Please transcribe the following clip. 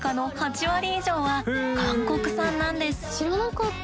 知らなかった。